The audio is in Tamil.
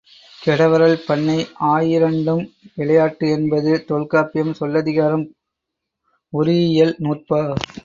கெடவரல், பண்ணை ஆயிரண்டும் விளையாட்டு என்பது, தொல்காப்பியம் சொல்லதிகாரம் உரியியல் நூற்பா.